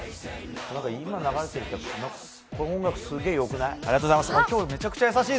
今、流れてる曲この音楽、すげー良くない？